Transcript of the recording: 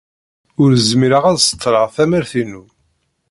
Ur zmireɣ ad seḍḍleɣ tamart-inu.